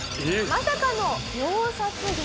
まさかの秒殺劇。